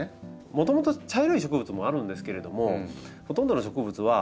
もともと茶色い植物もあるんですけれどもほとんどの植物は白い根のほうが健康ですね。